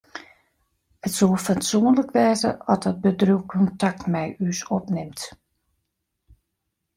It soe fatsoenlik wêze as dat bedriuw kontakt mei ús opnimt.